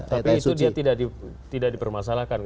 tapi itu dia tidak dipermasalahkan